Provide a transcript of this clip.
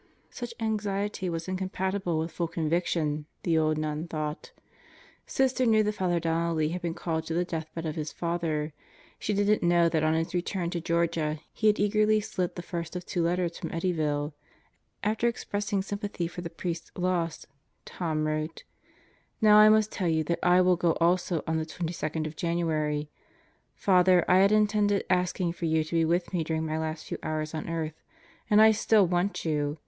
Such anxiety was incompatible with full conviction, the old nun thought Sister knew that Father Donnelly had been called to the deathbed of his father. She didn't know that on his return to Georgia he had eagerly slit the first of two letters from Eddyville. After expressing sympathy for the priest's loss, Tom wrote: Now I must tell you that I will go also on the 22nd of January. Father, I had intended asking for you to be with me during my last few hours on earth, and I still want you.